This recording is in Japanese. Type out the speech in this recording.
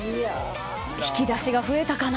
引き出しが増えたかな。